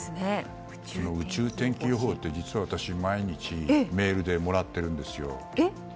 宇宙天気予報って実は私、毎日メールでもらっているんですよ。